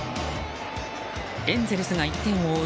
エンゼルスが１点を追う